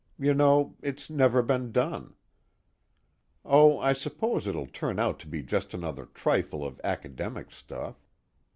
You know, it's never been done. Oh, I suppose it'll turn out to be just another trifle of academic stuff.